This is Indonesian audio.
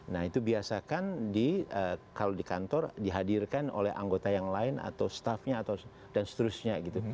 nah itu biasakan kalau di kantor dihadirkan oleh anggota yang lain atau staffnya dan seterusnya gitu